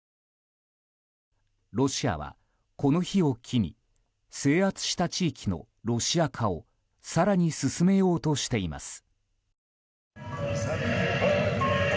ロシアはこの日を機に制圧した地域のロシア化を更に進めようとしています。